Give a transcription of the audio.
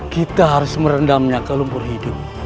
kita harus merendamnya ke lumpur hidup